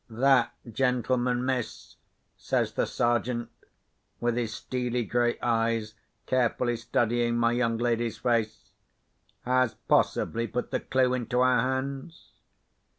"That gentleman, miss," says the Sergeant—with his steely grey eyes carefully studying my young lady's face—"has possibly put the clue into our hands."